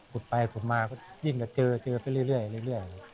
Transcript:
ไปขุดมาก็ยิ่งก็เจอเจอไปเรื่อย